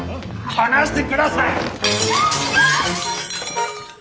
放してください！